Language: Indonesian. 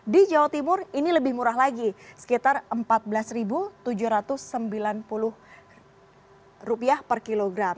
di jawa timur ini lebih murah lagi sekitar rp empat belas tujuh ratus sembilan puluh per kilogram